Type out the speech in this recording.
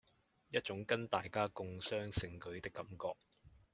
一種跟大家共襄盛舉的感覺